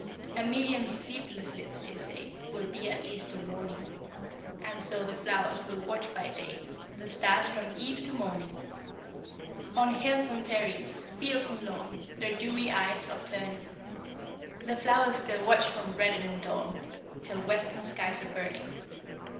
A million sleepless lids, they say, Will be at least a warning; And so the flowers will watch by day, The stars from eve to morning. On hills and prairies, fields and lawn, Their dewy eyes upturning, The flowers still watch from reddening dawn Till western skies are burning.